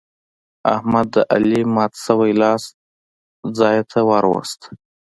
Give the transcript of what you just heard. احمد د علي مات شوی لاس ځای ته ور ووست.